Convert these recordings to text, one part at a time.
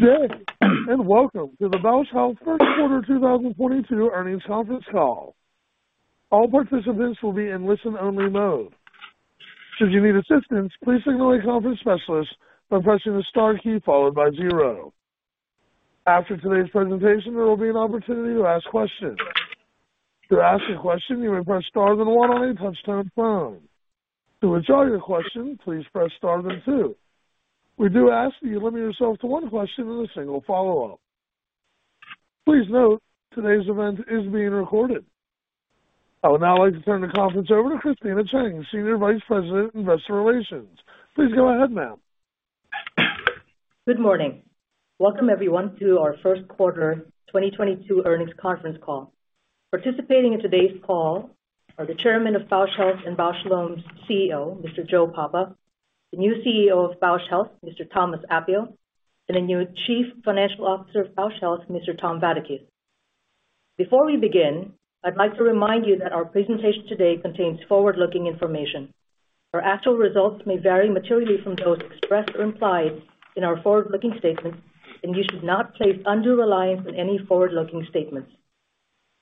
Good day, and welcome to the Bausch Health Q1 2022 Earnings Conference Call. All participants will be in listen-only mode. Should you need assistance, please signal a conference specialist by pressing the star key followed by zero. After today's presentation, there will be an opportunity to ask questions. To ask a question, you may press Star then the 1 on your touchtone phone. To withdraw your question, please press Star then 2. We do ask that you limit yourself to one question and a single follow-up. Please note, today's event is being recorded. I would now like to turn the conference over to Christina Chang, Senior Vice President of Investor Relations. Please go ahead, ma'am. Good morning. Welcome everyone to our Q1 2022 Earnings Conference Call. Participating in today's call are the chairman of Bausch Health and Bausch + Lomb's CEO, Mr. Joe Papa, the new CEO of Bausch Health, Mr. Thomas Appio, and the new Chief Financial Officer of Bausch Health, Mr. Tom Vadaketh. Before we begin, I'd like to remind you that our presentation today contains forward-looking information. Our actual results may vary materially from those expressed or implied in our forward-looking statements, and you should not place undue reliance on any forward-looking statements.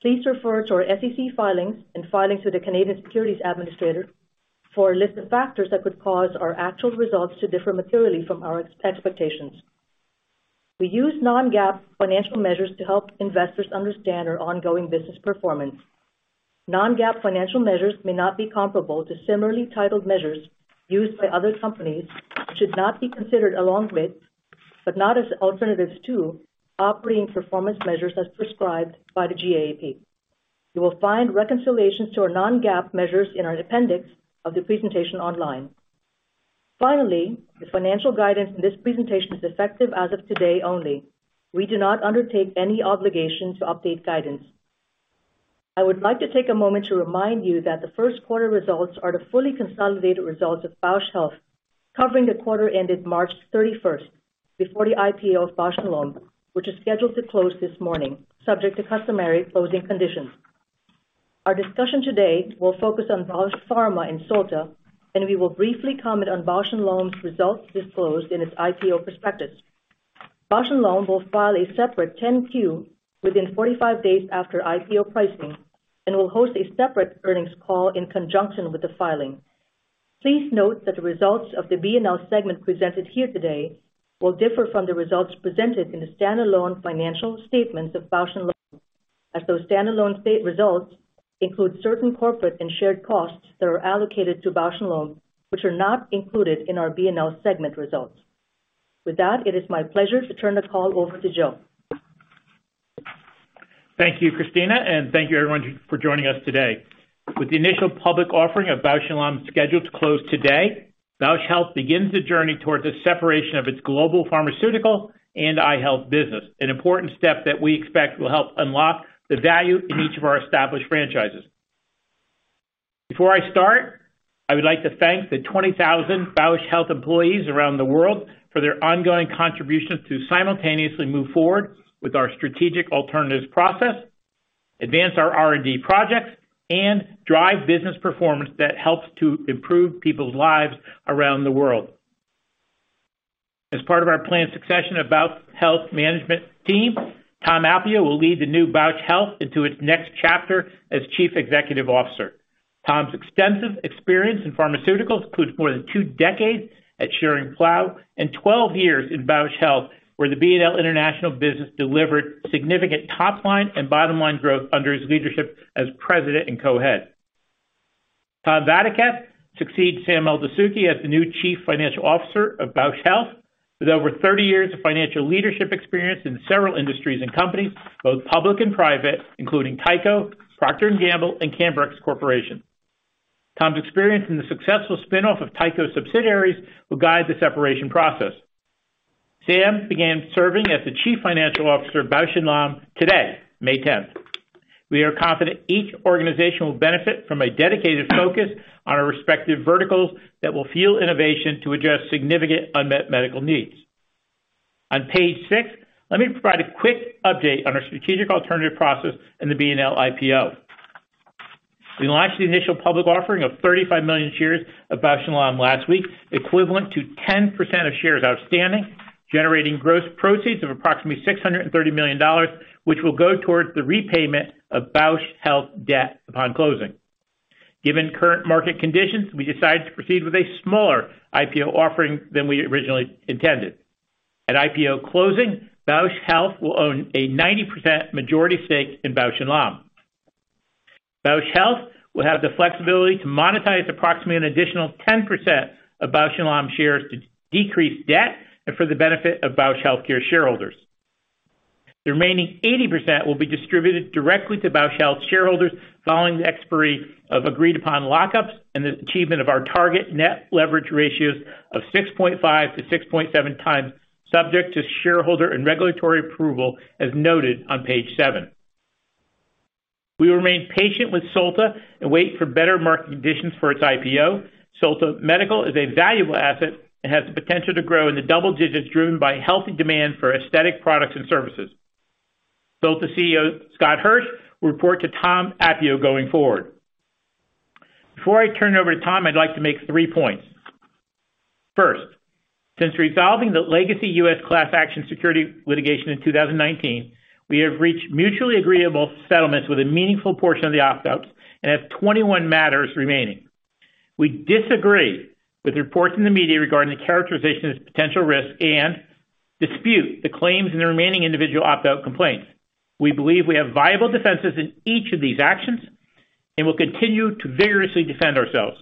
Please refer to our SEC filings and filings with the Canadian Securities Administrators for a list of factors that could cause our actual results to differ materially from our expectations. We use non-GAAP financial measures to help investors understand our ongoing business performance. Non-GAAP financial measures may not be comparable to similarly titled measures used by other companies and should not be considered along with, but not as alternatives to, operating performance measures as prescribed by GAAP. You will find reconciliations to our non-GAAP measures in our appendix of the presentation online. Finally, the financial guidance in this presentation is effective as of today only. We do not undertake any obligation to update guidance. I would like to take a moment to remind you that the Q1 results are the fully consolidated results of Bausch Health, covering the quarter ended March thirty-first, before the IPO of Bausch + Lomb, which is scheduled to close this morning, subject to customary closing conditions. Our discussion today will focus on Bausch Pharma and Solta, and we will briefly comment on Bausch + Lomb's results disclosed in its IPO prospectus. Bausch + Lomb will file a separate 10-Q within 45 days after IPO pricing and will host a separate earnings call in conjunction with the filing. Please note that the results of the B&L segment presented here today will differ from the results presented in the standalone financial statements of Bausch + Lomb, as those standalone stated results include certain corporate and shared costs that are allocated to Bausch + Lomb, which are not included in our B&L segment results. It is my pleasure to turn the call over to Joe. Thank you, Christina, and thank you everyone for joining us today. With the initial public offering of Bausch + Lomb scheduled to close today, Bausch Health begins the journey towards the separation of its global pharmaceutical and eye health business, an important step that we expect will help unlock the value in each of our established franchises. Before I start, I would like to thank the 20,000 Bausch Health employees around the world for their ongoing contributions to simultaneously move forward with our strategic alternatives process, advance our R&D projects, and drive business performance that helps to improve people's lives around the world. As part of our planned succession of Bausch Health management team, Thomas Appio will lead the new Bausch Health into its next chapter as Chief Executive Officer. Thomas' extensive experience in pharmaceuticals includes more than 2 decades at Schering-Plough and 12 years in Bausch Health, where the B&L international business delivered significant top line and bottom line growth under his leadership as president and co-head. Tom Vadaketh succeeds Sam Eldessouky as the new Chief Financial Officer of Bausch Health, with over 30 years of financial leadership experience in several industries and companies, both public and private, including Tyco, Procter & Gamble, and Cambrex Corporation. Tom's experience in the successful spin-off of Tyco subsidiaries will guide the separation process. Sam Eldessouky began serving as the Chief Financial Officer of Bausch + Lomb today, May tenth. We are confident each organization will benefit from a dedicated focus on our respective verticals that will fuel innovation to address significant unmet medical needs. On page six, let me provide a quick update on our strategic alternative process in the B&L IPO. We launched the initial public offering of 35 million shares of Bausch + Lomb last week, equivalent to 10% of shares outstanding, generating gross proceeds of approximately $630 million, which will go towards the repayment of Bausch Health debt upon closing. Given current market conditions, we decided to proceed with a smaller IPO offering than we originally intended. At IPO closing, Bausch Health will own a 90% majority stake in Bausch + Lomb. Bausch Health will have the flexibility to monetize approximately an additional 10% of Bausch + Lomb shares to decrease debt and for the benefit of Bausch Health shareholders. The remaining 80% will be distributed directly to Bausch Health shareholders following the expiry of agreed upon lockups and the achievement of our target net leverage ratios of 6.5-6.7x subject to shareholder and regulatory approval, as noted on page 7. We remain patient with Solta and wait for better market conditions for its IPO. Solta Medical is a valuable asset and has the potential to grow in the double digits driven by healthy demand for aesthetic products and services. Solta CEO Scott Hirsch will report to Thomas Appio going forward. Before I turn it over to Tom, I'd like to make three points. First, since resolving the legacy U.S. class action securities litigation in 2019, we have reached mutually agreeable settlements with a meaningful portion of the opt-outs and have 21 matters remaining. We disagree with reports in the media regarding the characterization of potential risk and dispute the claims in the remaining individual opt-out complaints. We believe we have viable defenses in each of these actions and will continue to vigorously defend ourselves.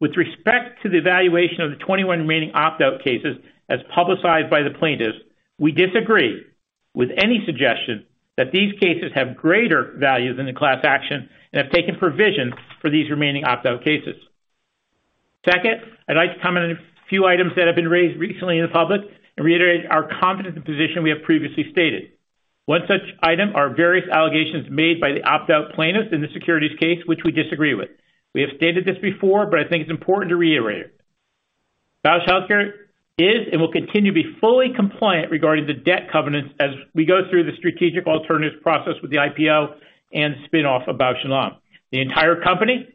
With respect to the evaluation of the 21 remaining opt-out cases as publicized by the plaintiffs, we disagree with any suggestion that these cases have greater value than the class action and have taken provision for these remaining opt-out cases. Second, I'd like to comment on a few items that have been raised recently in the public and reiterate our confidence in the position we have previously stated. One such item are various allegations made by the opt-out plaintiffs in the securities case, which we disagree with. We have stated this before, but I think it's important to reiterate. Bausch Health is and will continue to be fully compliant regarding the debt covenants as we go through the strategic alternatives process with the IPO and spin-off of Bausch + Lomb. The entire company,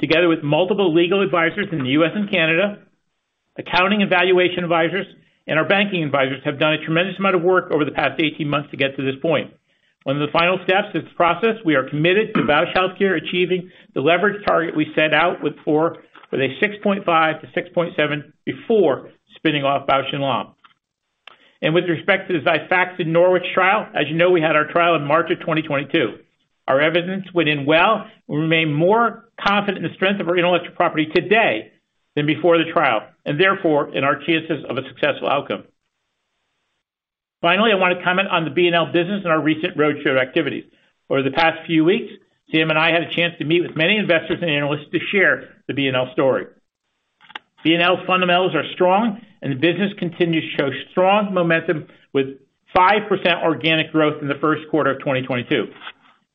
together with multiple legal advisors in the U.S. and Canada, accounting evaluation advisors, and our banking advisors, have done a tremendous amount of work over the past 18 months to get to this point. One of the final steps of this process, we are committed to Bausch Health achieving the leverage target we set out with a 6.5-6.7 before spinning off Bausch + Lomb. With respect to the XIFAXAN Norwich trial, as you know, we had our trial in March 2022. Our evidence went in well. We remain more confident in the strength of our intellectual property today than before the trial and therefore in our chances of a successful outcome. Finally, I wanna comment on the B&L business and our recent roadshow activities. Over the past few weeks, Jim and I had a chance to meet with many investors and analysts to share the B&L story. B&L fundamentals are strong and the business continues to show strong momentum with 5% organic growth in the Q1 of 2022.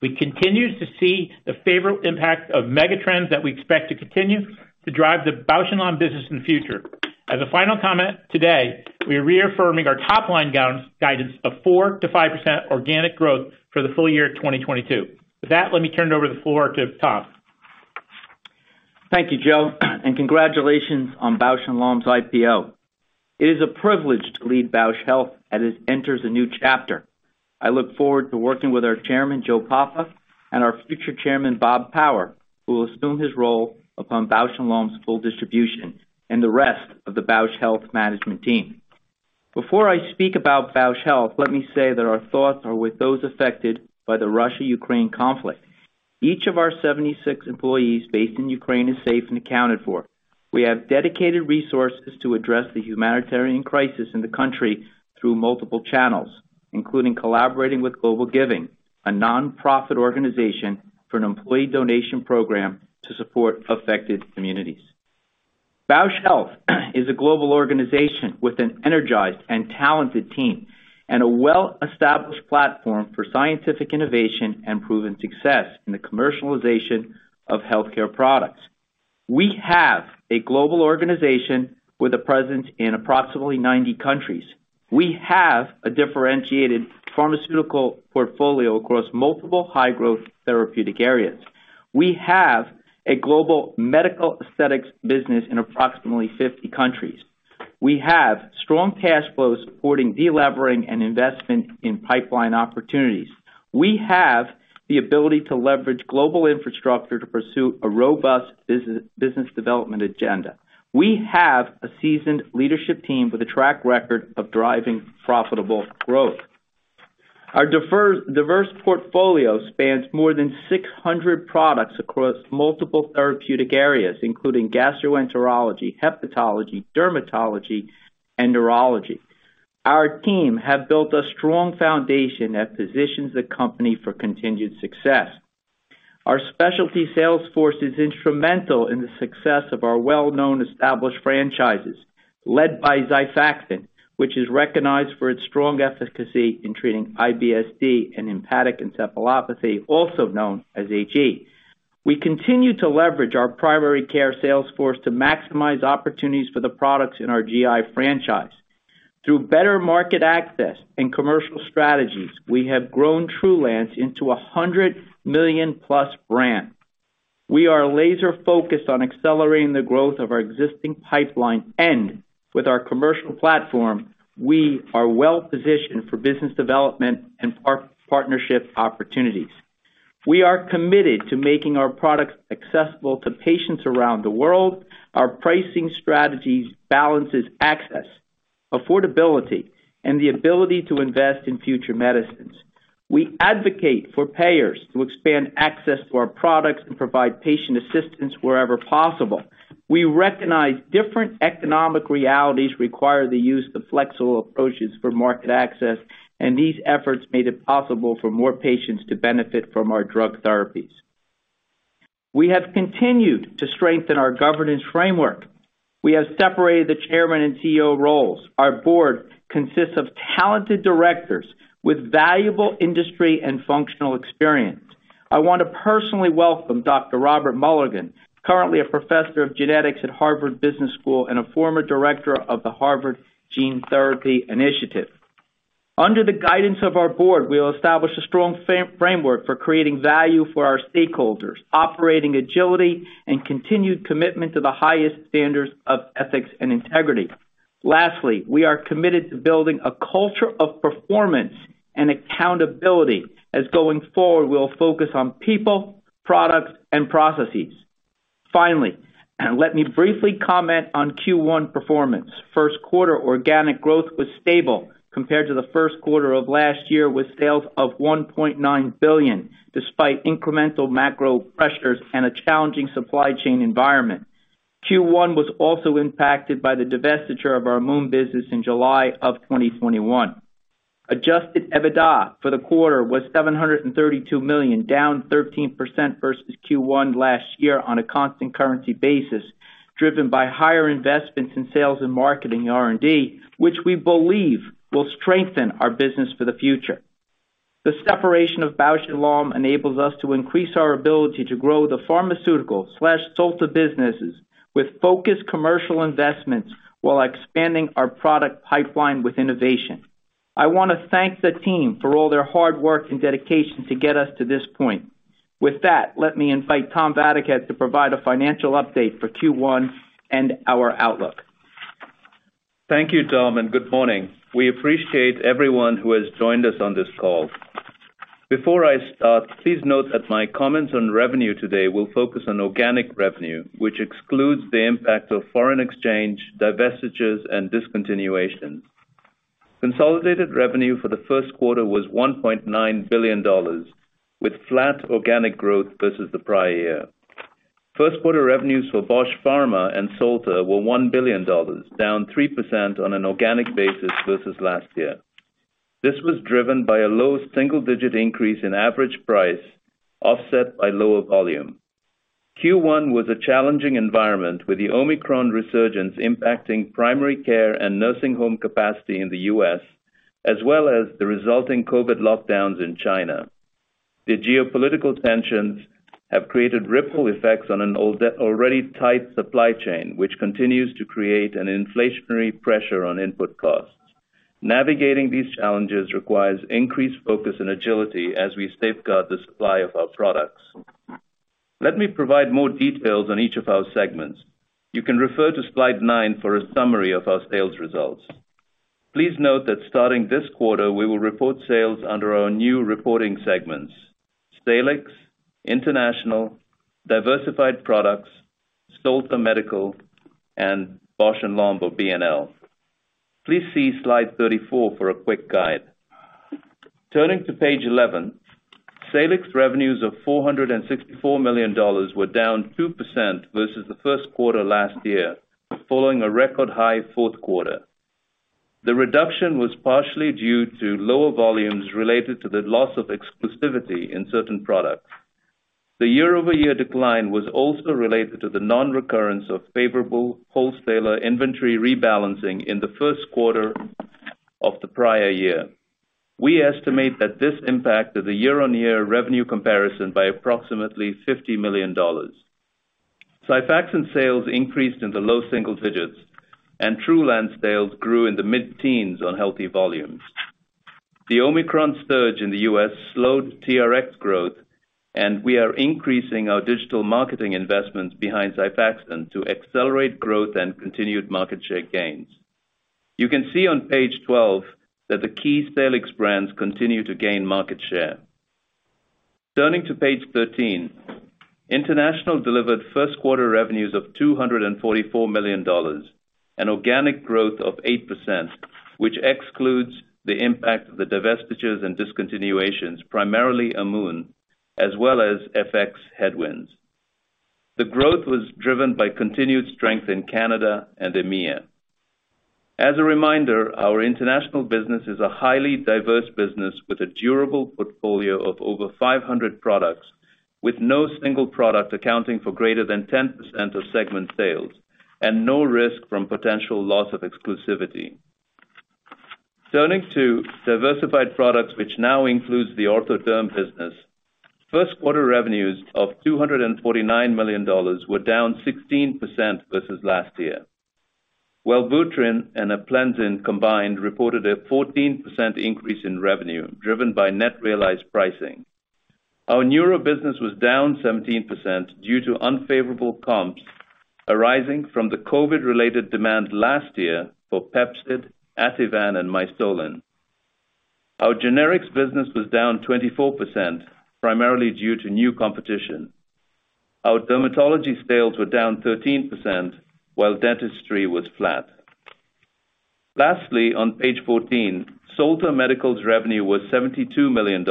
We continue to see the favorable impact of mega trends that we expect to continue to drive the Bausch + Lomb business in the future. As a final comment, today, we're reaffirming our top-line guidance of 4%-5% organic growth for the full year 2022. With that, let me turn the floor over to Thomas. Thank you, Joe, and congratulations on Bausch + Lomb's IPO. It is a privilege to lead Bausch Health as it enters a new chapter. I look forward to working with our chairman, Joe Papa, and our future chairman, Bob Power, who will assume his role upon Bausch + Lomb's full distribution, and the rest of the Bausch Health management team. Before I speak about Bausch Health, let me say that our thoughts are with those affected by the Russia-Ukraine conflict. Each of our 76 employees based in Ukraine is safe and accounted for. We have dedicated resources to address the humanitarian crisis in the country through multiple channels, including collaborating with GlobalGiving, a nonprofit organization for an employee donation program to support affected communities. Bausch Health is a global organization with an energized and talented team and a well-established platform for scientific innovation and proven success in the commercialization of healthcare products. We have a global organization with a presence in approximately 90 countries. We have a differentiated pharmaceutical portfolio across multiple high-growth therapeutic areas. We have a global medical aesthetics business in approximately 50 countries. We have strong cash flow supporting delevering and investment in pipeline opportunities. We have the ability to leverage global infrastructure to pursue a robust business development agenda. We have a seasoned leadership team with a track record of driving profitable growth. Our diverse portfolio spans more than 600 products across multiple therapeutic areas, including gastroenterology, hepatology, dermatology, and neurology. Our team have built a strong foundation that positions the company for continued success. Our specialty sales force is instrumental in the success of our well-known established franchises, led by XIFAXAN, which is recognized for its strong efficacy in treating IBS-D and hepatic encephalopathy, also known as HE. We continue to leverage our primary care sales force to maximize opportunities for the products in our GI franchise. Through better market access and commercial strategies, we have grown TRULANCE into a 100 million-plus brand. We are laser-focused on accelerating the growth of our existing pipeline. With our commercial platform, we are well-positioned for business development and partnership opportunities. We are committed to making our products accessible to patients around the world. Our pricing strategies balances access, affordability, and the ability to invest in future medicines. We advocate for payers to expand access to our products and provide patient assistance wherever possible. We recognize different economic realities require the use of flexible approaches for market access, and these efforts made it possible for more patients to benefit from our drug therapies. We have continued to strengthen our governance framework. We have separated the chairman and CEO roles. Our board consists of talented directors with valuable industry and functional experience. I want to personally welcome Dr. Richard Mulligan, currently a professor of genetics at Harvard Medical School and a former director of the Harvard Gene Therapy Initiative. Under the guidance of our board, we'll establish a strong framework for creating value for our stakeholders, operating agility and continued commitment to the highest standards of ethics and integrity. Lastly, we are committed to building a culture of performance and accountability, as going forward, we'll focus on people, products and processes. Finally, let me briefly comment on Q1 performance. Q1 organic growth was stable compared to the Q1 of last year with sales of $1.9 billion, despite incremental macro pressures and a challenging supply chain environment. Q1 was also impacted by the divestiture of our Amoun business in July 2021. Adjusted EBITDA for the quarter was $732 million, down 13% versus Q1 last year on a constant currency basis, driven by higher investments in sales and marketing R&D, which we believe will strengthen our business for the future. The separation of Bausch + Lomb enables us to increase our ability to grow the pharmaceutical/Solta businesses with focused commercial investments while expanding our product pipeline with innovation. I wanna thank the team for all their hard work and dedication to get us to this point. With that, let me invite Tom Vadaketh to provide a financial update for Q1 and our outlook. Thank you, Thomas, and good morning. We appreciate everyone who has joined us on this call. Before I start, please note that my comments on revenue today will focus on organic revenue, which excludes the impact of foreign exchange, divestitures and discontinuations. Consolidated revenue for the Q1 was $1.9 billion, with flat organic growth versus the prior year. Q1 revenues for Bausch Pharma and Solta were $1 billion, down 3% on an organic basis versus last year. This was driven by a low single-digit increase in average price offset by lower volume. Q1 was a challenging environment with the Omicron resurgence impacting primary care and nursing home capacity in the U.S. as well as the resulting COVID lockdowns in China. The geopolitical tensions have created ripple effects on an already tight supply chain, which continues to create an inflationary pressure on input costs. Navigating these challenges requires increased focus and agility as we safeguard the supply of our products. Let me provide more details on each of our segments. You can refer to slide 9 for a summary of our sales results. Please note that starting this quarter, we will report sales under our new reporting segments, Salix, International, Diversified Products, Solta Medical, and Bausch + Lomb or B&L. Please see slide 34 for a quick guide. Turning to page 11, Salix revenues of $464 million were down 2% versus the Q1 last year, following a record high Q4. The reduction was partially due to lower volumes related to the loss of exclusivity in certain products. The year-over-year decline was also related to the non-recurrence of favorable wholesaler inventory rebalancing in the Q1 of the prior year. We estimate that this impacted the year-on-year revenue comparison by approximately $50 million. XIFAXAN sales increased in the low single digits, and TRULANCE sales grew in the mid-teens on healthy volumes. The Omicron surge in the US slowed XIFAXAN growth, and we are increasing our digital marketing investments behind XIFAXAN to accelerate growth and continued market share gains. You can see on page 12 that the key Salix brands continue to gain market share. Turning to page 13, International delivered Q1 revenues of $244 million, an organic growth of 8%, which excludes the impact of the divestitures and discontinuations, primarily Amoun as well as FX headwinds. The growth was driven by continued strength in Canada and EMEA. As a reminder, our international business is a highly diverse business with a durable portfolio of over 500 products, with no single product accounting for greater than 10% of segment sales and no risk from potential loss of exclusivity. Turning to diversified products which now includes the Ortho Dermatologics business. Q1 revenues of $249 million were down 16% versus last year. Wellbutrin and Aplenzin combined reported a 14% increase in revenue driven by net realized pricing. Our neuro business was down 17% due to unfavorable comps arising from the COVID-related demand last year for Pepcid, Ativan and Mysoline. Our generics business was down 24%, primarily due to new competition. Our dermatology sales were down 13%, while dentistry was flat. Lastly, on page 14, Solta Medical's revenue was $72 million,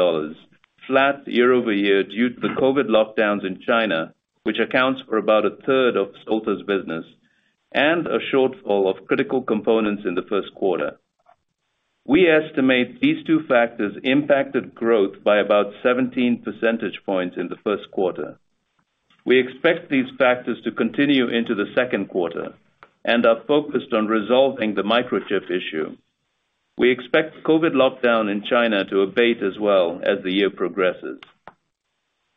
flat year-over-year due to the COVID lockdowns in China, which accounts for about a third of Solta's business and a shortfall of critical components in the Q1. We estimate these two factors impacted growth by about 17 percentage points in the Q1. We expect these factors to continue into the Q2 and are focused on resolving the microchip issue. We expect COVID lockdown in China to abate as the year progresses.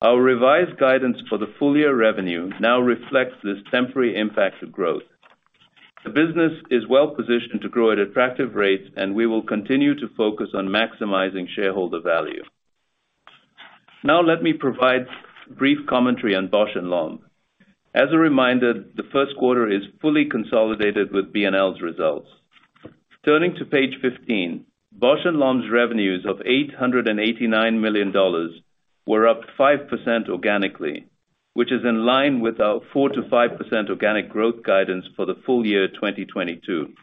Our revised guidance for the full year revenue now reflects this temporary impact to growth. The business is well-positioned to grow at attractive rates, and we will continue to focus on maximizing shareholder value. Now let me provide brief commentary on Bausch + Lomb. As a reminder, the Q1 is fully consolidated with B&L's results. Turning to page 15, Bausch + Lomb's revenues of $889 million were up 5% organically, which is in line with our 4%-5% organic growth guidance for the full year 2022.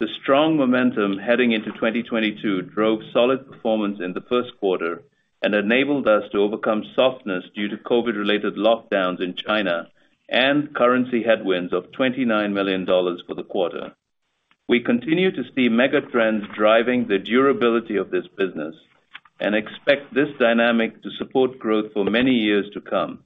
The strong momentum heading into 2022 drove solid performance in the Q1 and enabled us to overcome softness due to COVID-related lockdowns in China and currency headwinds of $29 million for the quarter. We continue to see megatrends driving the durability of this business and expect this dynamic to support growth for many years to come.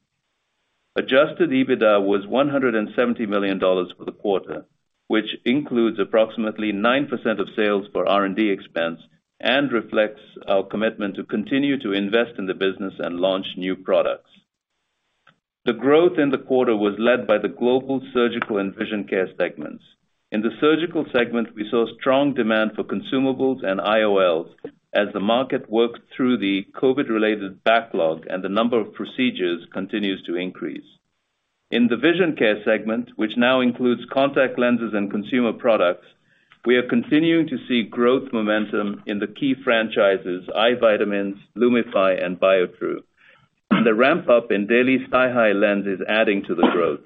Adjusted EBITDA was $170 million for the quarter, which includes approximately 9% of sales for R&D expense and reflects our commitment to continue to invest in the business and launch new products. The growth in the quarter was led by the global surgical and vision care segments. In the surgical segment, we saw strong demand for consumables and IOLs as the market worked through the COVID-related backlog and the number of procedures continues to increase. In the vision care segment, which now includes contact lenses and consumer products, we are continuing to see growth momentum in the key franchises, eye vitamins, LUMIFY, and Biotrue. The ramp-up in Daily SiHy lens is adding to the growth.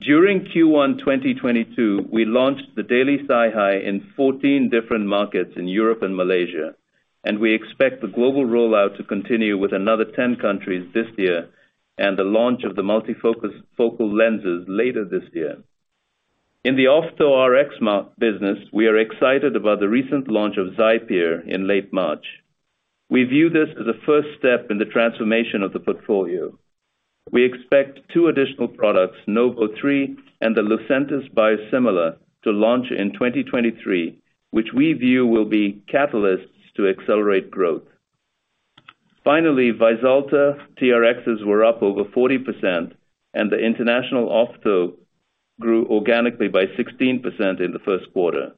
During Q1 2022, we launched the Daily SiHy in 14 different markets in Europe and Malaysia, and we expect the global rollout to continue with another 10 countries this year and the launch of the multifocal lenses later this year. In the Ophtho Rx business, we are excited about the recent launch of XIPERE in late March. We view this as a first step in the transformation of the portfolio. We expect 2 additional products, NOV03 and the Lucentis biosimilar to launch in 2023, which we view will be catalysts to accelerate growth. Vyzulta TRXs were up over 40%, and the international ophtho grew organically by 16% in the Q1.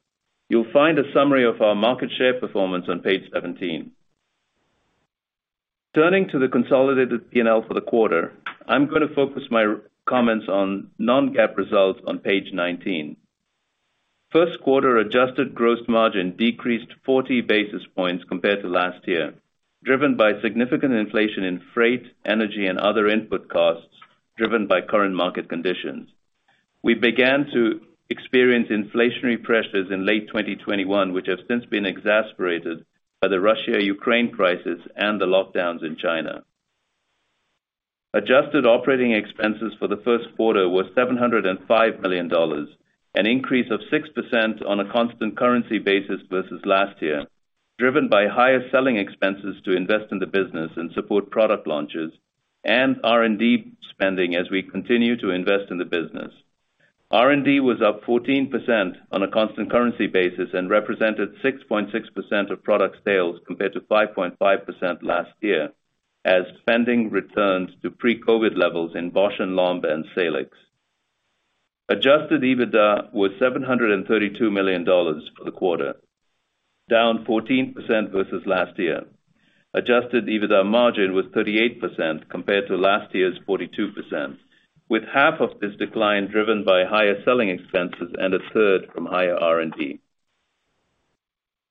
You'll find a summary of our market share performance on page 17. Turning to the consolidated P&L for the quarter, I'm gonna focus my comments on non-GAAP results on page 19. Q1 adjusted gross margin decreased 40 basis points compared to last year, driven by significant inflation in freight, energy, and other input costs driven by current market conditions. We began to experience inflationary pressures in late 2021, which have since been exacerbated by the Russia-Ukraine crisis and the lockdowns in China. Adjusted operating expenses for the Q1 was $705 million, an increase of 6% on a constant currency basis versus last year, driven by higher selling expenses to invest in the business and support product launches and R&D spending as we continue to invest in the business. R&D was up 14% on a constant currency basis and represented 6.6% of product sales compared to 5.5% last year as spending returns to pre-COVID levels in Bausch + Lomb and Salix. Adjusted EBITDA was $732 million for the quarter, down 14% versus last year. Adjusted EBITDA margin was 38% compared to last year's 42%, with half of this decline driven by higher selling expenses and a third from higher R&D.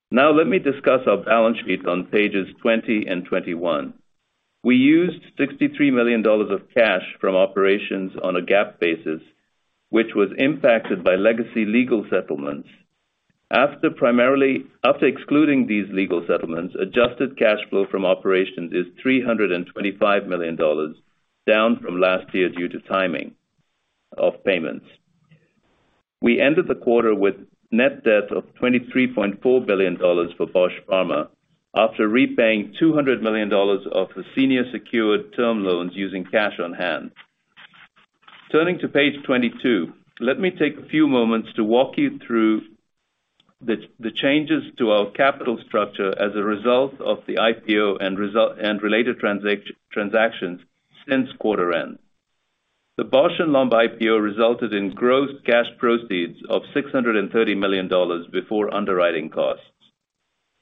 Now let me discuss our balance sheet on pages 20 and 21. We used $63 million of cash from operations on a GAAP basis, which was impacted by legacy legal settlements. After excluding these legal settlements, adjusted cash flow from operations is $325 million, down from last year due to timing of payments. We ended the quarter with net debt of $23.4 billion for Bausch Pharma after repaying $200 million of the senior secured term loans using cash on hand. Turning to page 22, let me take a few moments to walk you through the changes to our capital structure as a result of the IPO and related transactions since quarter end. The Bausch + Lomb IPO resulted in gross cash proceeds of $630 million before underwriting costs.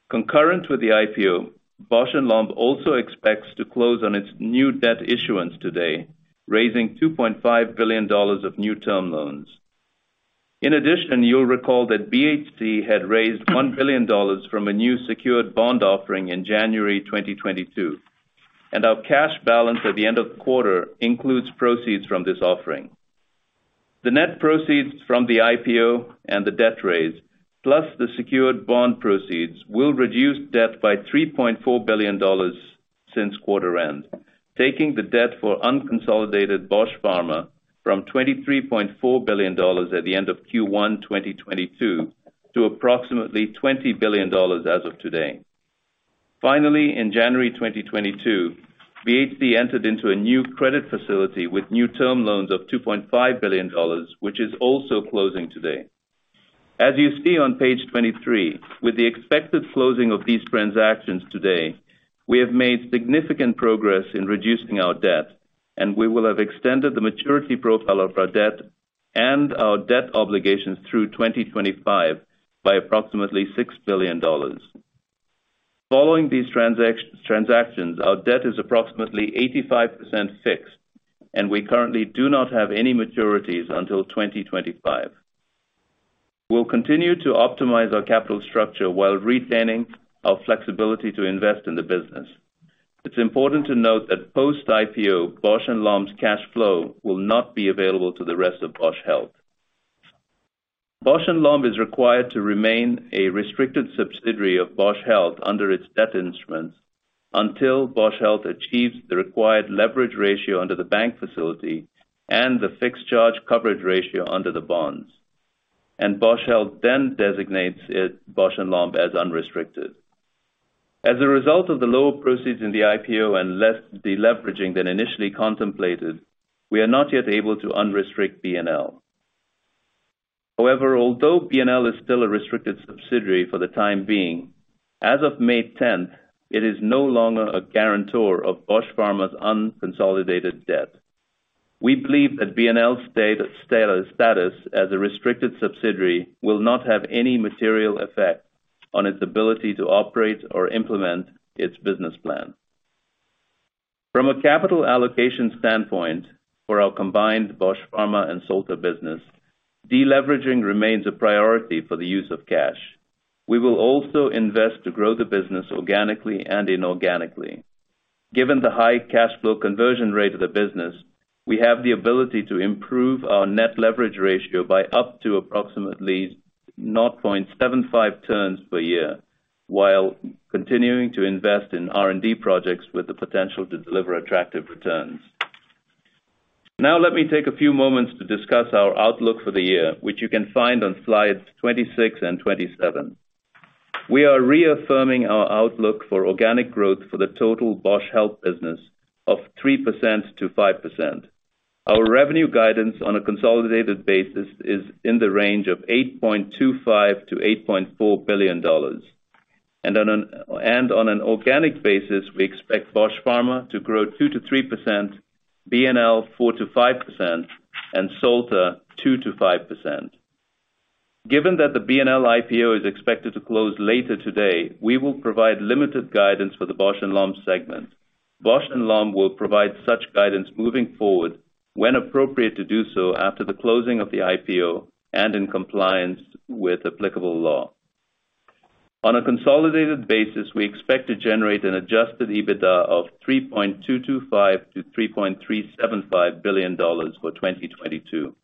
Concurrent with the IPO, Bausch + Lomb also expects to close on its new debt issuance today, raising $2.5 billion of new term loans. In addition, you'll recall that BHC had raised $1 billion from a new secured bond offering in January 2022, and our cash balance at the end of the quarter includes proceeds from this offering. The net proceeds from the IPO and the debt raise, plus the secured bond proceeds, will reduce debt by $3.4 billion since quarter end, taking the debt for unconsolidated Bausch Pharma from $23.4 billion at the end of Q1 2022 to approximately $20 billion as of today. Finally, in January 2022, BHC entered into a new credit facility with new term loans of $2.5 billion, which is also closing today. As you see on page 23, with the expected closing of these transactions today, we have made significant progress in reducing our debt, and we will have extended the maturity profile of our debt and our debt obligations through 2025 by approximately $6 billion. Following these transactions, our debt is approximately 85% fixed, and we currently do not have any maturities until 2025. We'll continue to optimize our capital structure while retaining our flexibility to invest in the business. It's important to note that post-IPO, Bausch + Lomb's cash flow will not be available to the rest of Bausch Health. Bausch + Lomb is required to remain a restricted subsidiary of Bausch Health under its debt instruments until Bausch Health achieves the required leverage ratio under the bank facility and the fixed charge coverage ratio under the bonds. Bausch Health then designates it, Bausch + Lomb, as unrestricted. As a result of the low proceeds in the IPO and less deleveraging than initially contemplated, we are not yet able to unrestrict B&L. However, although B&L is still a restricted subsidiary for the time being, as of May 10th, it is no longer a guarantor of Bausch Pharma's unconsolidated debt. We believe that B&L's status as a restricted subsidiary will not have any material effect on its ability to operate or implement its business plan. From a capital allocation standpoint for our combined Bausch Pharma and Solta business, deleveraging remains a priority for the use of cash. We will also invest to grow the business organically and inorganically. Given the high cash flow conversion rate of the business, we have the ability to improve our net leverage ratio by up to approximately 0.75 turns per year, while continuing to invest in R&D projects with the potential to deliver attractive returns. Now let me take a few moments to discuss our outlook for the year, which you can find on slides 26 and 27. We are reaffirming our outlook for organic growth for the total Bausch Health business of 3%-5%. Our revenue guidance on a consolidated basis is in the range of $8.25 billion-$8.4 billion. On an organic basis, we expect Bausch Pharma to grow 2%-3%, B&L 4%-5%, and Solta 2%-5%. Given that the B&L IPO is expected to close later today, we will provide limited guidance for the Bausch + Lomb segment. Bausch + Lomb will provide such guidance moving forward when appropriate to do so after the closing of the IPO and in compliance with applicable law. On a consolidated basis, we expect to generate an adjusted EBITDA of $3.225 billion-$3.375 billion for 2022.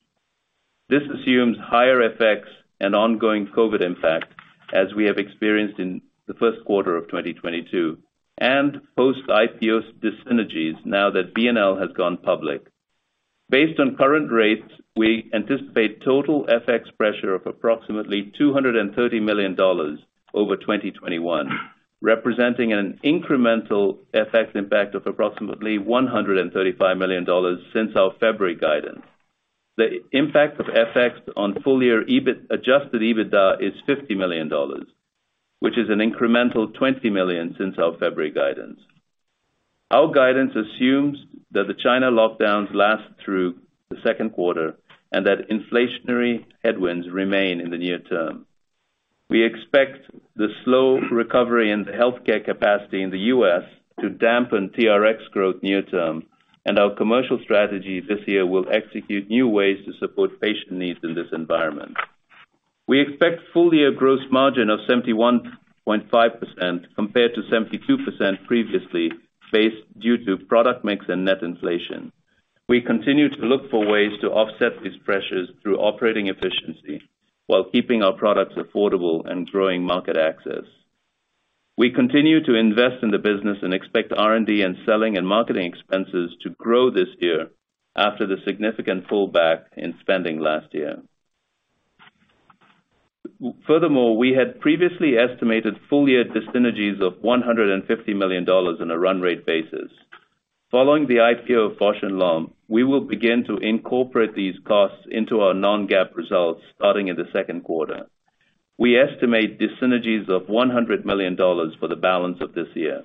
This assumes higher FX and ongoing COVID impact, as we have experienced in the Q1 of 2022, and post-IPO dyssynergies now that B&L has gone public. Based on current rates, we anticipate total FX pressure of approximately $230 million over 2021, representing an incremental FX impact of approximately $135 million since our February guidance. The impact of FX on full-year adjusted EBITDA is $50 million, which is an incremental $20 million since our February guidance. Our guidance assumes that the China lockdowns last through the Q2 and that inflationary headwinds remain in the near term. We expect the slow recovery in the healthcare capacity in the U.S. to dampen TRX growth near term, and our commercial strategy this year will execute new ways to support patient needs in this environment. We expect full-year gross margin of 71.5% compared to 72% previously, based due to product mix and net inflation. We continue to look for ways to offset these pressures through operating efficiency while keeping our products affordable and growing market access. We continue to invest in the business and expect R&D and selling and marketing expenses to grow this year after the significant pullback in spending last year. Furthermore, we had previously estimated full-year dyssynergies of $150 million on a run rate basis. Following the IPO of Bausch + Lomb, we will begin to incorporate these costs into our non-GAAP results starting in the Q2. We estimate dyssynergies of $100 million for the balance of this year.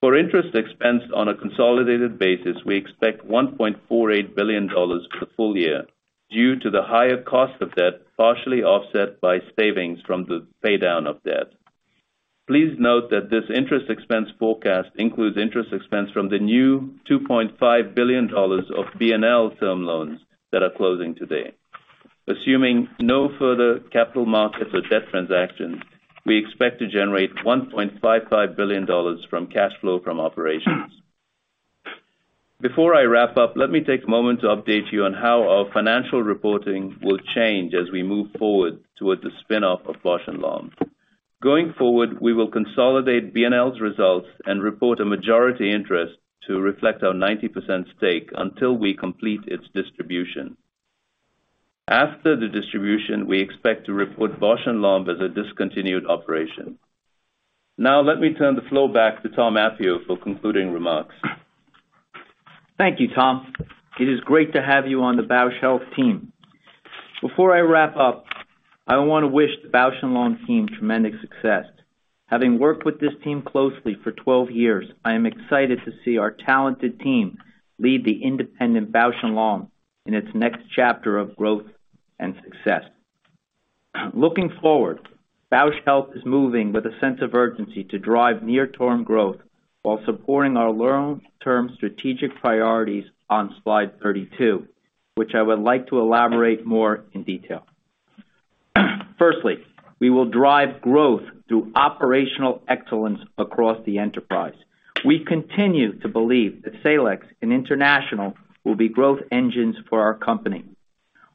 For interest expense on a consolidated basis, we expect $1.48 billion for the full year due to the higher cost of debt, partially offset by savings from the paydown of debt. Please note that this interest expense forecast includes interest expense from the new $2.5 billion of B&L term loans that are closing today. Assuming no further capital markets or debt transactions, we expect to generate $1.55 billion from cash flow from operations. Before I wrap up, let me take a moment to update you on how our financial reporting will change as we move forward towards the spin-off of Bausch + Lomb. Going forward, we will consolidate B&L's results and report a majority interest to reflect our 90% stake until we complete its distribution. After the distribution, we expect to report Bausch + Lomb as a discontinued operation. Now let me turn the floor back to Thomas Appio for concluding remarks. Thank you, Tom. It is great to have you on the Bausch Health team. Before I wrap up, I wanna wish the Bausch + Lomb team tremendous success. Having worked with this team closely for 12 years, I am excited to see our talented team lead the independent Bausch + Lomb in its next chapter of growth and success. Looking forward, Bausch Health is moving with a sense of urgency to drive near-term growth while supporting our long-term strategic priorities on slide 32, which I would like to elaborate more in detail. Firstly, we will drive growth through operational excellence across the enterprise. We continue to believe that Salix and International will be growth engines for our company.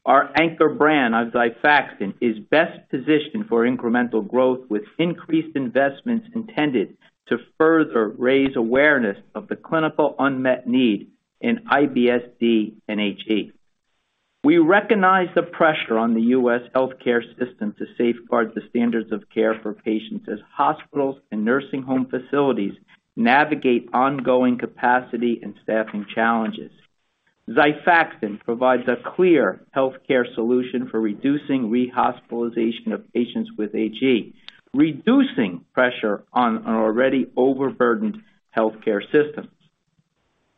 Our anchor brand, XIFAXAN, is best positioned for incremental growth with increased investments intended to further raise awareness of the clinical unmet need in IBS-D and HE. We recognize the pressure on the U.S. healthcare system to safeguard the standards of care for patients as hospitals and nursing home facilities navigate ongoing capacity and staffing challenges. XIFAXAN provides a clear healthcare solution for reducing rehospitalization of patients with HE, reducing pressure on our already overburdened healthcare systems.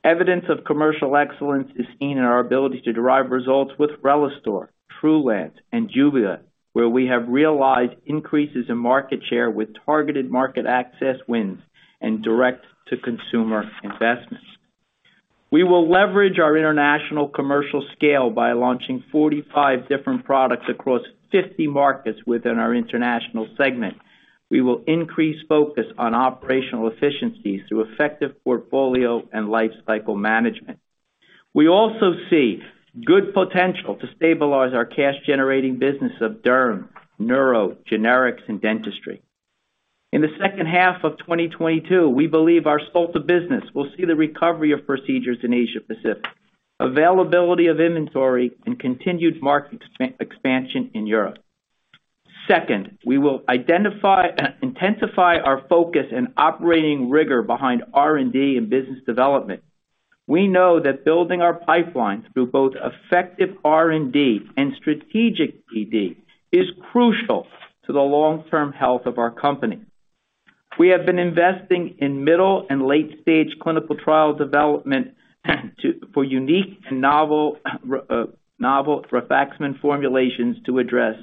Evidence of commercial excellence is seen in our ability to derive results with RELISTOR, TRULANCE, and JUBLIA, where we have realized increases in market share with targeted market access wins and direct-to-consumer investments. We will leverage our international commercial scale by launching 45 different products across 50 markets within our international segment. We will increase focus on operational efficiencies through effective portfolio and life cycle management. We also see good potential to stabilize our cash-generating business of derm, neuro, generics, and dentistry. In the second half of 2022, we believe our Solta business will see the recovery of procedures in Asia Pacific, availability of inventory, and continued market expansion in Europe. Second, we will intensify our focus in operating rigor behind R&D and business development. We know that building our pipeline through both effective R&D and strategic BD is crucial to the long-term health of our company. We have been investing in middle and late-stage clinical trial development for unique and novel rifaximin formulations to address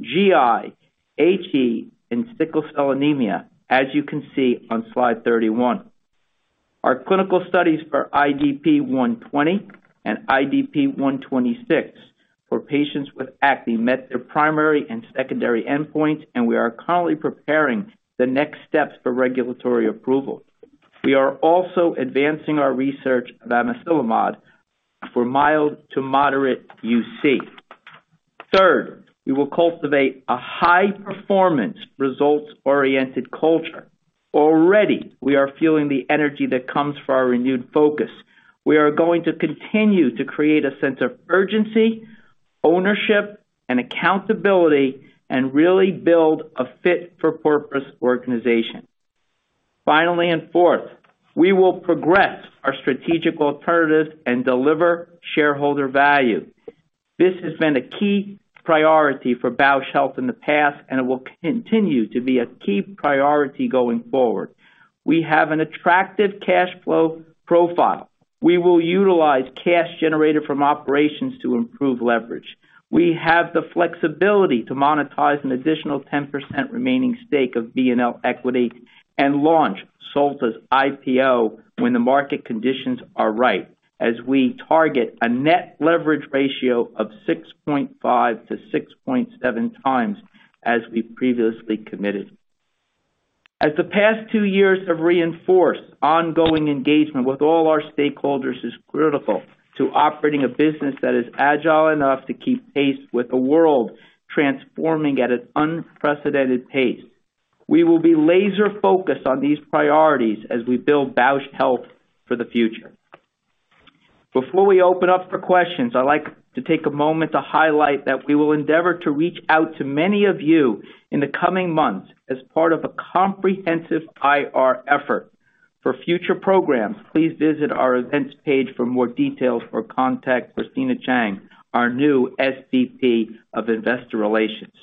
GI, HE, and sickle cell anemia, as you can see on slide 31. Our clinical studies for IDP-120 and IDP-126 for patients with acne met their primary and secondary endpoint, and we are currently preparing the next steps for regulatory approval. We are also advancing our research of amiselimod for mild to moderate UC. Third, we will cultivate a high-performance, results-oriented culture. Already, we are feeling the energy that comes from our renewed focus. We are going to continue to create a sense of urgency, ownership, and accountability and really build a fit-for-purpose organization. Finally and fourth, we will progress our strategic alternatives and deliver shareholder value. This has been a key priority for Bausch Health in the past, and it will continue to be a key priority going forward. We have an attractive cash flow profile. We will utilize cash generated from operations to improve leverage. We have the flexibility to monetize an additional 10% remaining stake of B&L equity and launch Solta's IPO when the market conditions are right, as we target a net leverage ratio of 6.5-6.7 times as we previously committed. As the past two years have reinforced, ongoing engagement with all our stakeholders is critical to operating a business that is agile enough to keep pace with the world transforming at an unprecedented pace. We will be laser-focused on these priorities as we build Bausch Health for the future. Before we open up for questions, I'd like to take a moment to highlight that we will endeavor to reach out to many of you in the coming months as part of a comprehensive IR effort. For future programs, please visit our Events page for more details or contact Christina Chang, our new SVP of Investor Relations.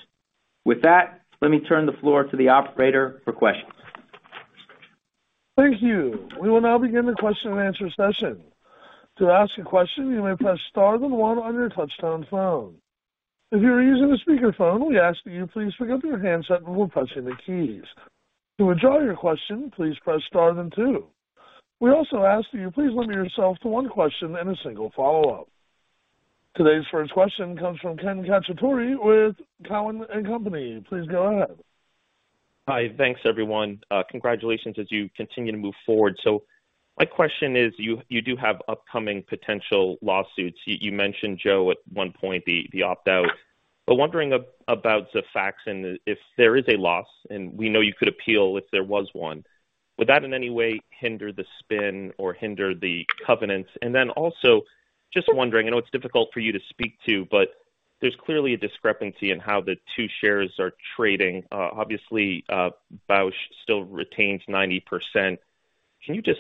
With that, let me turn the floor to the operator for questions. Thank you. We will now begin the question-and-answer session. To ask a question, you may press Star then 1 on your touchtone phone. If you are using a speakerphone, we ask that you please pick up your handset before pressing the keys. To withdraw your question, please press Star then 2. We also ask that you please limit yourself to one question and a single follow-up. Today's first question comes from Ken Cacciatore with Cowen and Company. Please go ahead. Hi. Thanks, everyone. Congratulations as you continue to move forward. My question is, you do have upcoming potential lawsuits. You mentioned, Joe, at one point the opt-out. Wondering about XIFAXAN, if there is a loss, and we know you could appeal if there was one, would that in any way hinder the spin or hinder the covenants? And then also just wondering, I know it's difficult for you to speak to, but there's clearly a discrepancy in how the two shares are trading. Obviously, Bausch still retains 90%. Can you just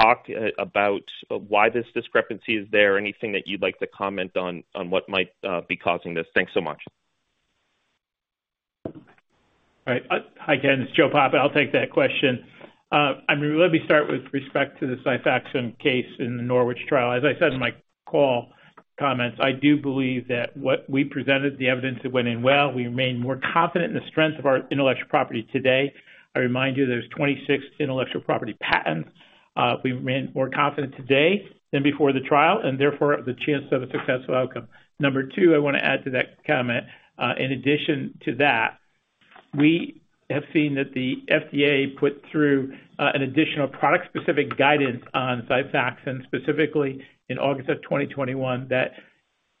talk about why this discrepancy is there? Anything that you'd like to comment on what might be causing this? Thanks so much. All right. Hi again, it's Joe Papa. I'll take that question. I mean, let me start with respect to the XIFAXAN case in the Norwich trial. As I said in my call comments, I do believe that what we presented, the evidence that went in, well, we remain more confident in the strength of our intellectual property today. I remind you, there's 26 intellectual property patents. We remain more confident today than before the trial, and therefore, the chance of a successful outcome. Number two, I wanna add to that comment. In addition to that, we have seen that the FDA put through an additional product-specific guidance on XIFAXAN, specifically in August 2021, that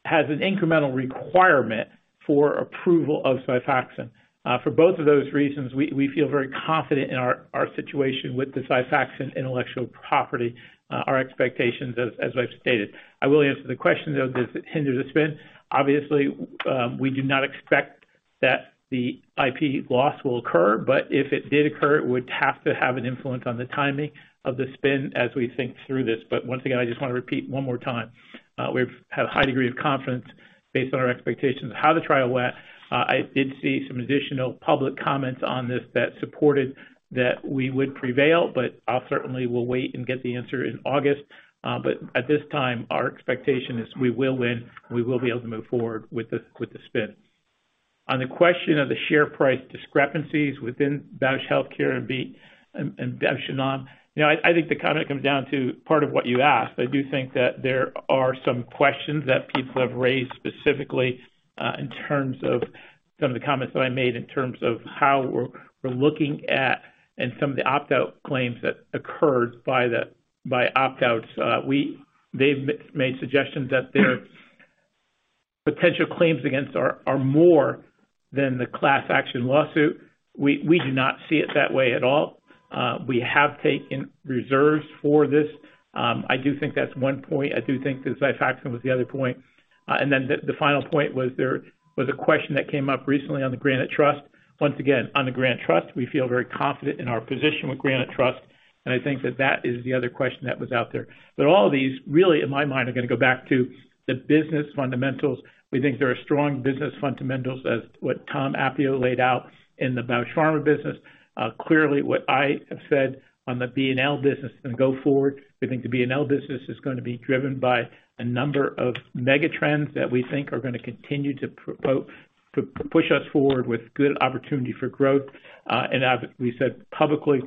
has an incremental requirement for approval of XIFAXAN. For both of those reasons, we feel very confident in our situation with the XIFAXAN intellectual property, our expectations, as I've stated. I will answer the question, though: does it hinder the spin? Obviously, we do not expect that the IP loss will occur, but if it did occur, it would have to have an influence on the timing of the spin as we think through this. Once again, I just wanna repeat one more time, we've had a high degree of confidence based on our expectations of how the trial went. I did see some additional public comments on this that supported that we would prevail, but I'll certainly wait and get the answer in August. At this time, our expectation is we will win, we will be able to move forward with the spin. On the question of the share price discrepancies within Bausch Health and B&L and Dendreon. You know, I think the comment comes down to part of what you asked. I do think that there are some questions that people have raised specifically in terms of some of the comments that I made in terms of how we're looking at and some of the opt-out claims that occurred by opt-outs. They've made suggestions that their potential claims against us are more than the class action lawsuit. We do not see it that way at all. We have taken reserves for this. I do think that's one point. I do think that XIFAXAN was the other point. Then the final point was there was a question that came up recently on the Granite Trust. Once again, on the Granite Trust, we feel very confident in our position with Granite Trust, and I think that is the other question that was out there. All of these really, in my mind, are gonna go back to the business fundamentals. We think there are strong business fundamentals as what Thomas Appio laid out in the Bausch Pharma business. Clearly, what I have said on the B&L business going forward, we think the B&L business is gonna be driven by a number of mega trends that we think are gonna continue to push us forward with good opportunity for growth. And as we said publicly,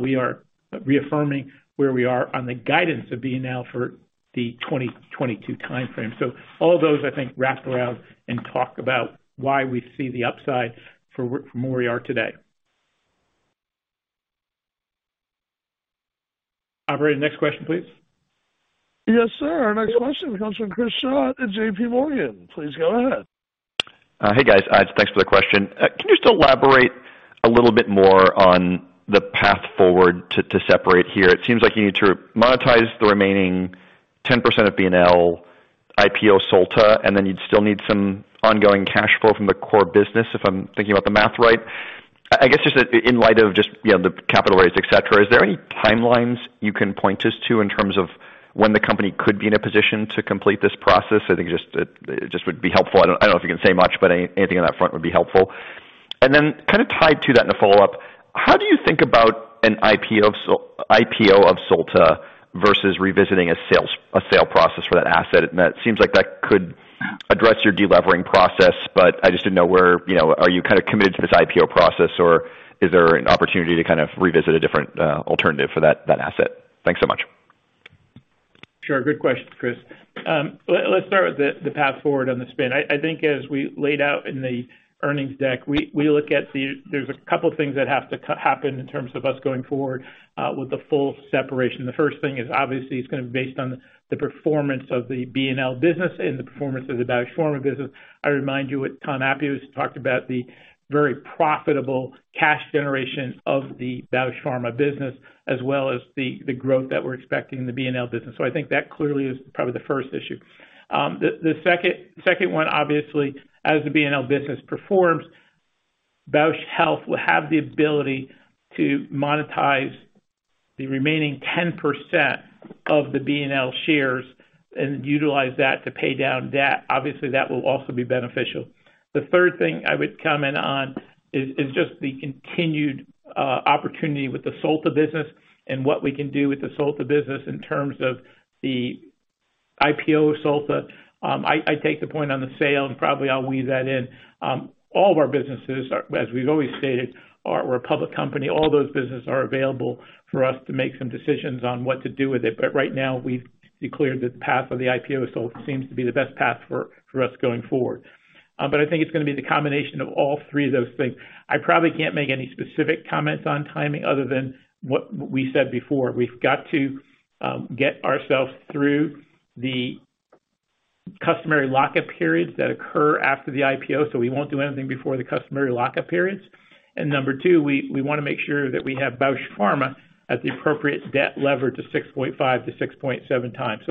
we are reaffirming where we are on the guidance of B&L for the 2022 timeframe. All of those, I think, wrap around and talk about why we see the upside from where we are today. Operator, next question, please. Yes, sir. Our next question comes from Chris Schott at JPMorgan. Please go ahead. Hey, guys. Thanks for the question. Can you just elaborate a little bit more on the path forward to separate here? It seems like you need to monetize the remaining 10% of B&L, IPO Solta, and then you'd still need some ongoing cash flow from the core business, if I'm thinking about the math right. I guess just, in light of just, you know, the capital raise, et cetera, is there any timelines you can point us to in terms of when the company could be in a position to complete this process? I think it just would be helpful. I don't know if you can say much, but anything on that front would be helpful. Then kind of tied to that in a follow-up, how do you think about an IPO of Solta versus revisiting a sale process for that asset? That seems like that could address your delevering process, but I just didn't know where, you know, are you kind of committed to this IPO process, or is there an opportunity to kind of revisit a different, alternative for that asset? Thanks so much. Sure. Good question, Chris. Let's start with the path forward on the spin. I think as we laid out in the earnings deck, we look at there's a couple things that have to happen in terms of us going forward with the full separation. The first thing is, obviously, it's gonna be based on the performance of the B&L business and the performance of the Bausch Pharma business. I remind you what Thomas Appio has talked about, the very profitable cash generation of the Bausch Pharma business, as well as the growth that we're expecting in the B&L business. I think that clearly is probably the first issue. The second one, obviously, as the B&L business performs, Bausch Health will have the ability to monetize the remaining 10% of the B&L shares and utilize that to pay down debt. Obviously, that will also be beneficial. The third thing I would comment on is just the continued opportunity with the Solta business and what we can do with the Solta business in terms of the IPO of Solta. I take the point on the sale, and probably I'll weave that in. All of our businesses are, as we've always stated, we're a public company. All those businesses are available for us to make some decisions on what to do with it. Right now, we've declared that the path of the IPO Solta seems to be the best path for us going forward. I think it's gonna be the combination of all three of those things. I probably can't make any specific comments on timing other than what we said before. We've got to get ourselves through the customary lock-up periods that occur after the IPO, so we won't do anything before the customary lock-up periods. Number 2, we wanna make sure that we have Bausch Pharma at the appropriate debt leverage to 6.5-6.7 times.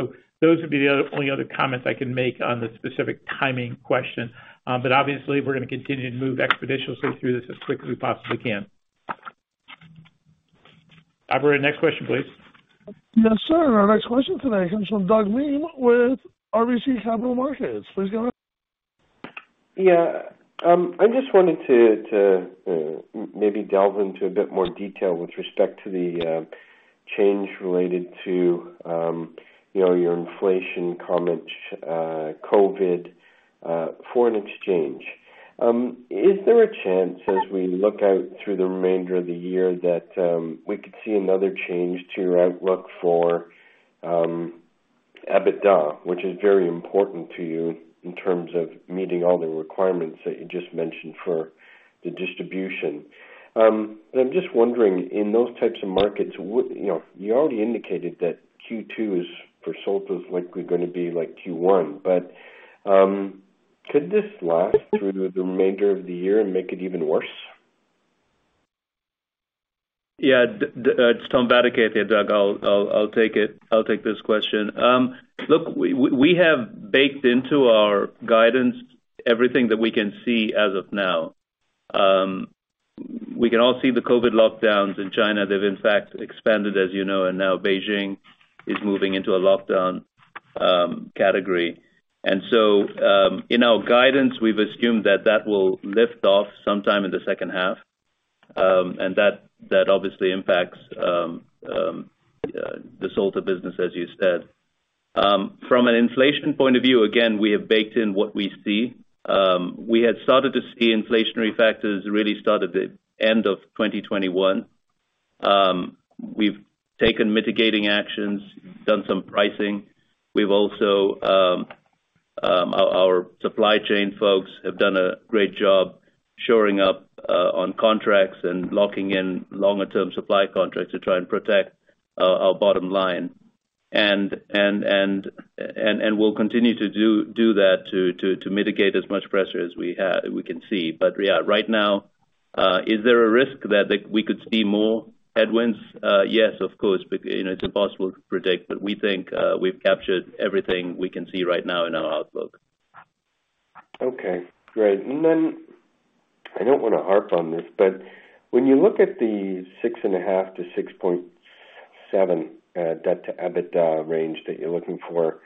Those would be the only other comments I can make on the specific timing question. Obviously, we're gonna continue to move expeditiously through this as quickly as we possibly can. Operator, next question, please. Yes, sir. Our next question today comes from Doug Miehm with RBC Capital Markets. Please go ahead. Yeah. I just wanted to maybe delve into a bit more detail with respect to the change related to, you know, your inflation comments, COVID, foreign exchange. Is there a chance as we look out through the remainder of the year that we could see another change to your outlook for EBITDA, which is very important to you in terms of meeting all the requirements that you just mentioned for the distribution? I'm just wondering, in those types of markets, you know, you already indicated that Q2 for Solta is likely gonna be like Q1, but could this last through the remainder of the year and make it even worse? Yeah. It's Tom Vadaketh here, Doug. I'll take it. I'll take this question. Look, we have baked into our guidance everything that we can see as of now. We can all see the COVID lockdowns in China. They've in fact expanded, as you know, and now Beijing is moving into a lockdown category. In our guidance, we've assumed that that will lift off sometime in the second half, and that obviously impacts the Solta business, as you said. From an inflation point of view, again, we have baked in what we see. We had started to see inflationary factors really start at the end of 2021. We've taken mitigating actions, done some pricing. We've also, our supply chain folks have done a great job shoring up on contracts and locking in longer term supply contracts to try and protect our bottom line. We'll continue to do that to mitigate as much pressure as we can see. Yeah, right now, is there a risk that we could see more headwinds? Yes, of course, but you know, it's impossible to predict. We think we've captured everything we can see right now in our outlook. Okay. Great. Then I don't wanna harp on this, but when you look at the 6.5-6.7 debt-to-EBITDA range that you're looking for